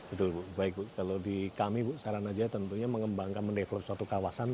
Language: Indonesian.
betul ibu baik ibu kalau di kami saran aja tentunya mengembangkan mendevelop suatu kawasan